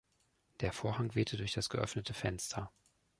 Der Vorhang wehte durch das geöffnete Fenster.